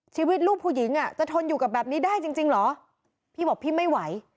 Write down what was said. ชีวิตลูกผู้หญิงอ่ะจะทนอยู่กับแบบนี้ได้จริงจริงเหรอพี่บอกพี่ไม่ไหว